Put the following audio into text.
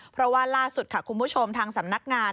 เพราะว่าล่าสุดค่ะคุณผู้ชมทางสำนักงาน